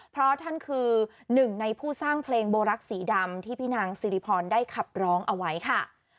เพราะท่านคือหนึ่งในผู้สร้างเพลงโบรักษ์สีดำที่พี่นางสิริพรได้ขับร้องเอาไว้ค่ะ